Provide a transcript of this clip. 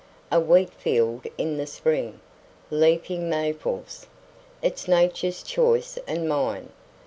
"A wheat field in the spring, leafing maples. It's Nature's choice and mine.